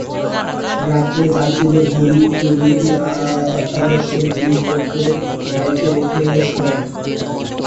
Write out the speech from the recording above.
রাত্রে যাত্রীদের ঘড়ি প্রভৃতি অত্যাবশ্যক জিনিষপত্র তাইতে রেখে শোয়।